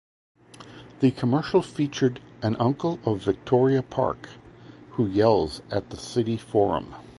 The commercial featured an Uncle of Victoria Park, who yells at the City Forum.